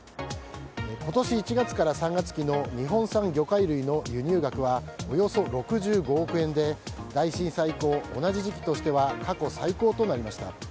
今年１月から３月期の日本産魚介類の輸入額はおよそ６５億円で大震災以降同じ時期としては過去最高となりました。